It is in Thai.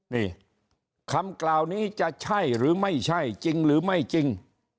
นี่คำกล่าวนี้จะใช่หรือไม่ใช่จริงหรือไม่จริง